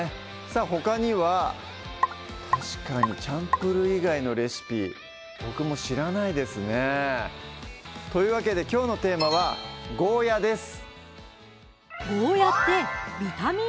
さぁほかには確かにチャンプル以外のレシピ僕も知らないですねというわけできょうのテーマは「ゴーヤ」です